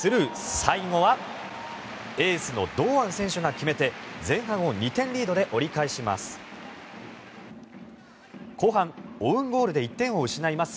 最後はエースの堂安選手が決めて前半を２点リードで折り返します。